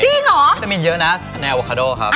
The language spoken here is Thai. มิตามินเยอะนะในอโวคาโดครับ